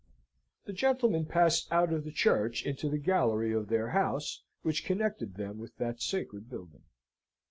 The gentlemen passed out of the church into the gallery of their house, which connected them with that sacred building.